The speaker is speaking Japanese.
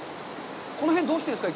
この辺、どうしてるんですか？